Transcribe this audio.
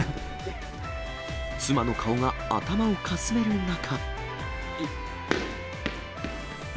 妻の顔が頭をかすめる中。